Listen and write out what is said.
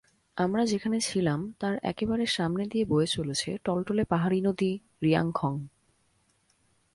আমরা যেখানে ছিলাম তার একেবারে সামনে দিয়ে বয়ে চলেছে টলটলে পাহাড়ি নদী রিয়াংখং।